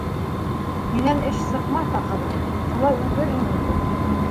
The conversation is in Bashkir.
Һинән эш сыҡмаҫ, ахыры, шулай үлерһең инде.